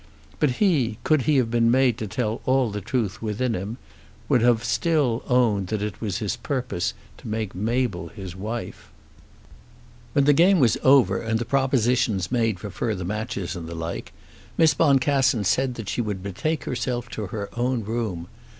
But he, could he have been made to tell all the truth within him, would have still owned that it was his purpose to make Mabel his wife. When the game was over and the propositions made for further matches and the like, Miss Boncassen said that she would betake herself to her own room.